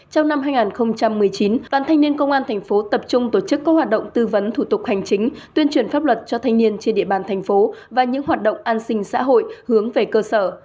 trong năm hai nghìn một mươi chín đoàn thanh niên công an thành phố tập trung tổ chức các hoạt động tư vấn thủ tục hành chính tuyên truyền pháp luật cho thanh niên trên địa bàn thành phố và những hoạt động an sinh xã hội hướng về cơ sở